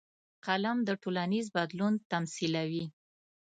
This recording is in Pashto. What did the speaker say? قلم د ټولنیز بدلون تمثیلوي